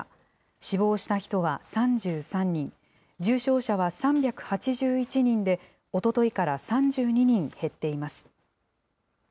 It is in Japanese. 死亡した人は３３人、重症者は３８１人で、おとといから３２人減っています。